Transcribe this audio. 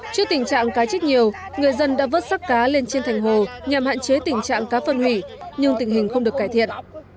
trước tình trạng cá chết nhiều người dân đã vớt sắc cá lên trên thành hồ nhằm hạn chế tình trạng cá phân hủy nhưng tình hình không được cải thiện